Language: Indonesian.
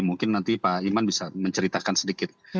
mungkin nanti pak iman bisa menceritakan sedikit